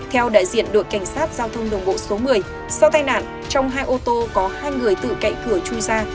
theo đại diện đội cảnh sát giao thông đường bộ số một mươi sau tai nạn trong hai ô tô có hai người tự cậy cửa chui ra